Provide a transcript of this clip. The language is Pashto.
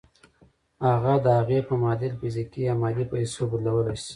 هغه د هغې په معادل فزيکي يا مادي پيسو بدلولای شئ.